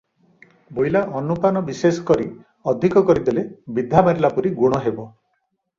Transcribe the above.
ବୋଇଲା ଅନୁପାନ ବିଶେଷ କରି ଅଧିକ କରିଦେଲେ ବିଧା ମାରିଲାପରି ଗୁଣ ହେବ ।"